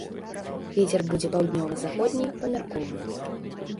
Вецер будзе паўднёва-заходні, памяркоўны.